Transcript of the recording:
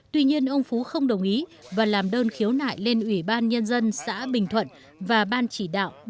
tuy nhiên ông phú không đồng ý và làm đơn khiếu nại lên ủy ban nhân dân xã bình thuận và ban chỉ đạo